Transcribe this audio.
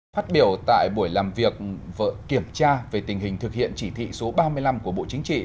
phát biểu tại buổi làm việc vợ kiểm tra về tình hình thực hiện chỉ thị số ba mươi năm của bộ chính trị